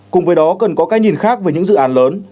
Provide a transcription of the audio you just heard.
cùng với đó cần có cái nhìn khác về những dự án lớn